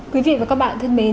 quý vị và các bạn thân mến